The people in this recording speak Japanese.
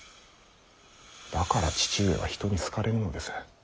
だから父上は人に好かれぬのです。